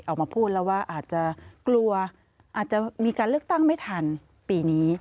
ออกมาพูดแล้วว่าอาจจะกลัวอาจจะมีการเลือกตั้งไม่ทันปีนี้